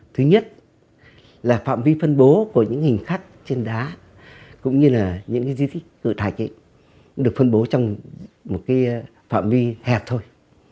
thứ nhất là phạm vi phân bố của những hình khắc trên đá cũng như là những di tích tự thạch được phân bố trong một phạm vi hẹp thôi